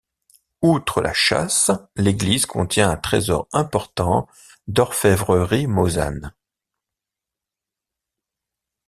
Outre la châsse, l'église contient un trésor important d’orfèvrerie mosane.